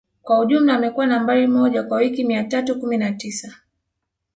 Kwa jumla amekuwa Nambari moja kwa wiki mia tatu kumi na tisa